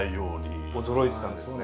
驚いてたんですね。